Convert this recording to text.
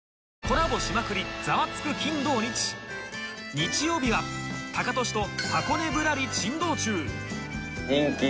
日曜日はタカトシと箱根ぶらり珍道中